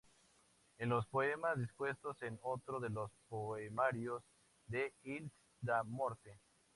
En los poemas dispuestos en otro de los poemarios de Hilst, "Da Morte.